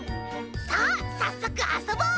さあさっそくあそぼう！